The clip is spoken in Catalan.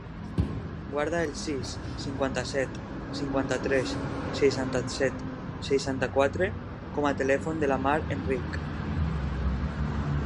Guarda el sis, cinquanta-set, cinquanta-tres, seixanta-set, seixanta-quatre com a telèfon de la Mar Enrich.